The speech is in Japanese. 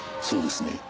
そうですね？